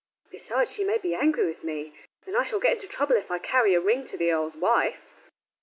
"Besides she may be angry with me, and I shall get into trouble if I carry a ring to the earl's wife."